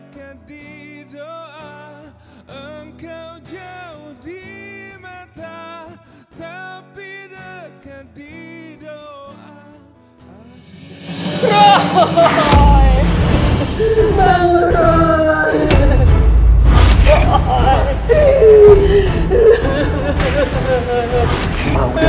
kau tidak pernah lagi bisa merasakan cinta